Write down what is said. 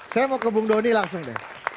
saya mau ke bung doni langsung deh